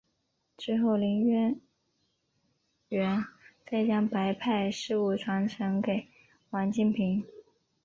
之后林渊源再将白派事务传承给王金平。